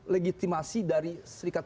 legitimasi dari serikat